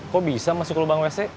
kok bisa masuk ke lubang wc